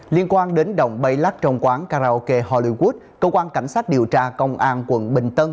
liên quan đến đồng bay lắc trong quán karaoke hollywood công an cảnh sát điều tra công an quận bình tân